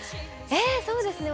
えそうですね